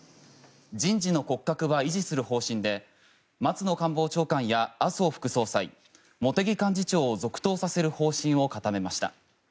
人事の骨格は維持する方針で松野官房長官や麻生副総裁茂木幹事長を続投させる方針を固めました。